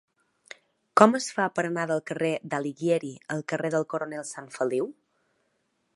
Com es fa per anar del carrer d'Alighieri al carrer del Coronel Sanfeliu?